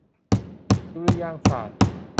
ดุริยางคศาสตร์